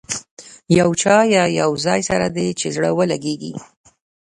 یو چا یا یو ځای سره چې دې زړه ولګېږي.